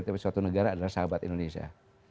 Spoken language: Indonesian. tapi suatu negara adalah sahabat indonesia